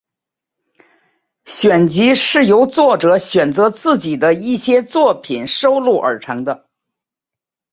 选集是由作者选择自己的一些作品收录而成的。